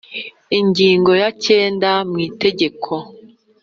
Ingingo ya cyenda mu itegeko.